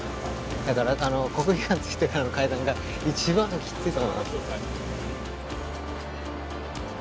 だから国技館着いてからの階段が、一番きついと思います。